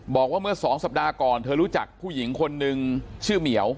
บอกว่าเมื่อสองสัปดาห์ก่อนเธอรู้จักผู้หญิงคนนึงชื่อเหมียว